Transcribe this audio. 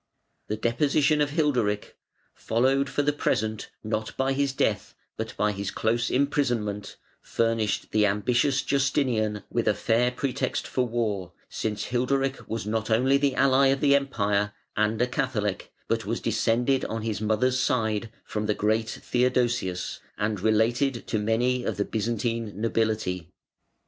The deposition of Hilderic, followed for the present not by his death but by his close imprisonment, furnished the ambitious Justinian with a fair pretext for war, since Hilderic was not only the ally of the Empire, and a Catholic, but was descended on his mother's side from the great Theodosius and related to many of the Byzantine nobility.